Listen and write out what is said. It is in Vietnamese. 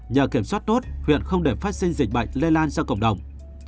nhờ kiểm soát tốt huyện không để phát sinh dịch bệnh lê lan cho cộng đồng